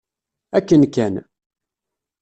Akken kan.